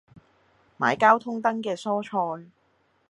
買交通燈嘅蔬菜